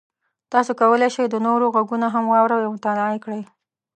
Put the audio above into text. تاسو کولی شئ د نورو غږونه هم واورئ او مطالعه کړئ.